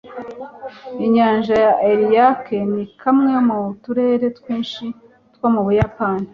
inyanja ya ariake ni kamwe mu turere twinshi two mu buyapani